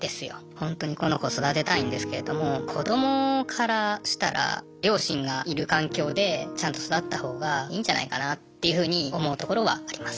ほんとにこの子育てたいんですけれども子どもからしたら両親がいる環境でちゃんと育ったほうがいいんじゃないかなっていうふうに思うところはあります。